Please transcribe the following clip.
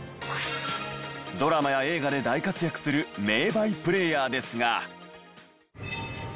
ドラマや映画で大活躍する名バイプレーヤーですが。